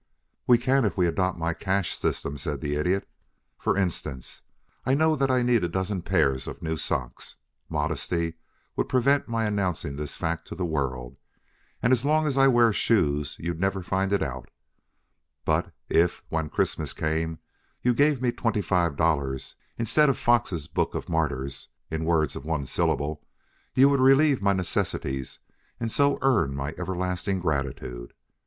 "We can if we adopt my cash system," said the Idiot. "For instance, I know that I need a dozen pairs of new socks. Modesty would prevent my announcing this fact to the world, and as long as I wear shoes you'd never find it out, but if, when Christmas came, you gave me twenty five dollars instead of Foxe's Book of Martyrs in words of one syllable, you would relieve my necessities and so earn my everlasting gratitude.